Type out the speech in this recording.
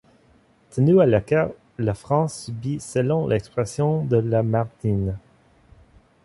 Tenue à l'écart, la France subit selon l'expression de Lamartine.